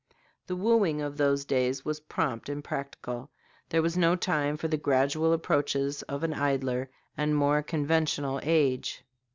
The wooing of those days was prompt and practical. There was no time for the gradual approaches of an idler and more conventional age.